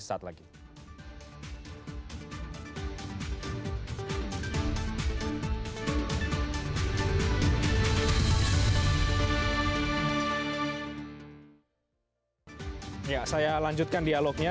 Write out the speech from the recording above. saya lanjutkan dialognya